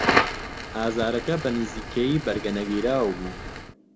ئازارەکە بەنزیکەیی بەرگەنەگیراو بوو.